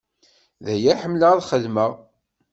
D aya i ḥemmleɣ ad xedmeɣ.